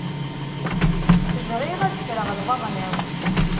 Bɣiɣ ad ffreɣ lbaḍna-w.